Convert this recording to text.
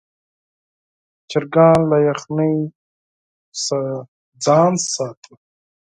چرګان له یخنۍ څخه ځان ساتي.